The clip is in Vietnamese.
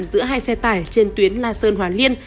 giữa hai xe tải trên tuyến la sơn hòa liên